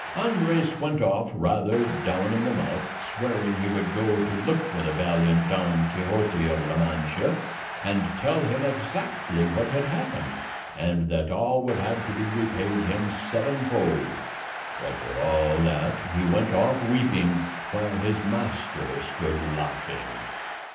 Andres went off rather down in the mouth, swearing he would go to look for the valiant Don Quixote of La Mancha and tell him exactly what had happened, and that all would have to be repaid him sevenfold; but for all that he went off weeping, while his master stood laughing.